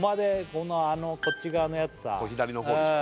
このあのこっち側のやつさ左のほうでしょ？